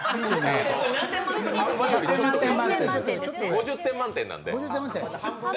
５０点満点なんで。